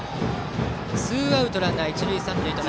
ツーアウトランナー、一塁三塁。